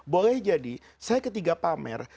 boleh jadi saya ketiga pamer